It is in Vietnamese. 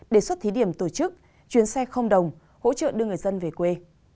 đề xuất thí điểm tổ chức chuyến xe không đồng hỗ trợ đưa người dân về quê